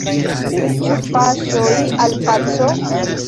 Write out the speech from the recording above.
Ĉu paŝoj al paco?